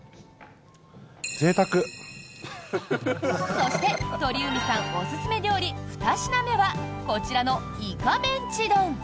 そして鳥海さんおすすめ料理２品目はこちらの烏賊メンチ丼。